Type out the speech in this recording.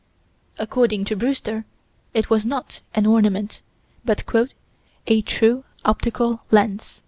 According to Brewster, it was not an ornament, but "a true optical lens."